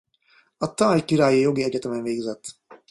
A Thai Királyi Jogi Egyetemen végzett.